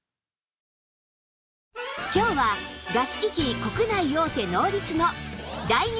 今日はガス機器国内大手ノーリツの大人気機種